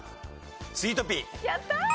スイートピー。